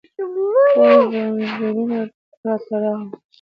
ټول رنځونه راته راغلل